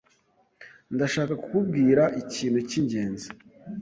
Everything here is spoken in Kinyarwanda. Ndashaka kukubwira ikintu cyingenzi.